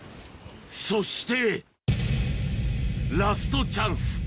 そして、ラストチャンス。